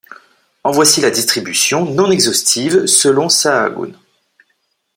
En voici la distribution non exhaustive selon Sahagún.